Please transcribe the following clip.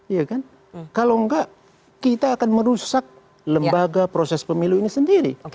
iya kan kalau enggak kita akan merusak lembaga proses pemilu ini sendiri